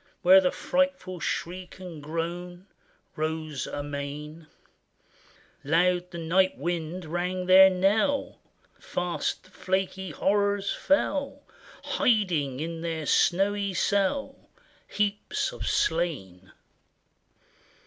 Where the frightful shriek and groan Rose amain: Loud the night wind rang their knell; Fast the flaky horrors fell, Hiding in their snowy cell Heaps of slain